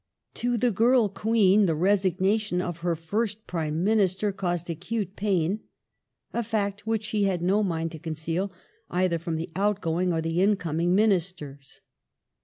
To the girl Queen the resignation of her fh'st Prime Minister caused acute pain, — a fact which she had no mind to conceal either from the outgoing or the incoming Ministers.